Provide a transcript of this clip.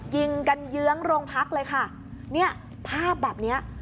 ยิงกันเยื้องโรงพักเลยค่ะเนี่ยภาพแบบเนี้ย